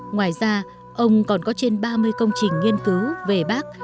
ngoài ra ông còn có trên ba mươi công trình nghiên cứu về bác